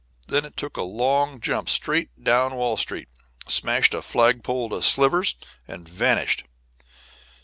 Then it took a long jump straight down Wall Street, smashed a flagpole to slivers, and vanished.